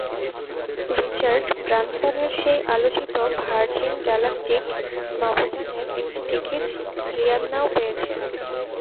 Richard ব্র্যানসনের সেই আলোচিত ভার্জিন গ্যালাকটিক নভোযানের একটি টিকিট রিয়ান্নাও পেয়েছেন।